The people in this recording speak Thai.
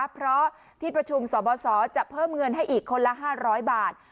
เพราะที่ประชุมสบสจะเพิ่มเงินให้อีกคนละ๕๐๐บาท